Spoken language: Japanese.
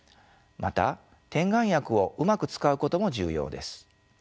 また点眼薬をうまく使うことも重要です。